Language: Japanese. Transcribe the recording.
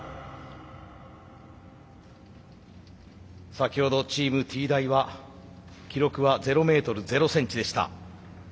先ほどチームＴ大は記録は０メートル０センチでした。